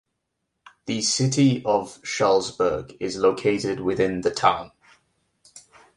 The City of Shullsburg is located within the town.